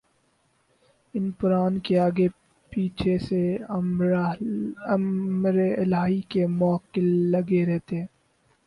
ان پران کے آگے پیچھے سے امرِالٰہی کے مؤکل لگے رہتے ہیں